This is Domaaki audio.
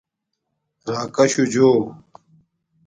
راکاشُو جو